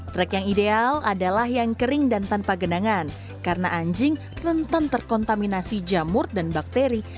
track yang ideal adalah yang kering dan tanpa genangan karena anjing rentan terkontaminasi jamur dan bakteri